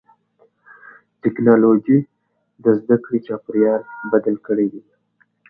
ټکنالوجي د زدهکړې چاپېریال بدل کړی دی.